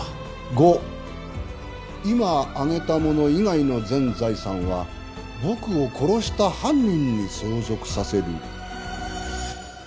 「五今挙げたもの以外の全財産は僕を殺した犯人に相続させる」